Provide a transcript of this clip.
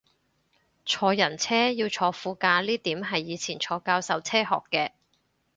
坐人車要坐副駕呢點係以前坐教授車學嘅